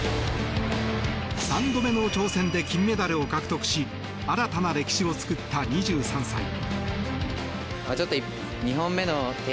３度目の挑戦で金メダルを獲得し新たな歴史を作った２３歳。